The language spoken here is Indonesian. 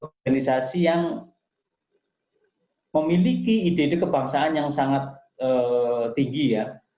organisasi yang memiliki ide ide kebangsaan yang sangat tinggi ya